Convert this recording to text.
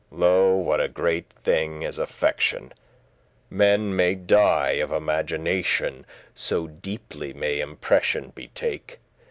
Lo, what a great thing is affection! Men may die of imagination, So deeply may impression be take.